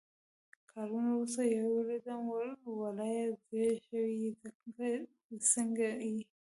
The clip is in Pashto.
کالونه ورورسته يې ويلدم ول يې ځير شوي يې ، څنګه يې ؟